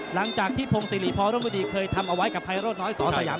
หลังจากที่พงศิริพรมวดีเคยทำเอาไว้กับไพโรดน้อยสอสยาม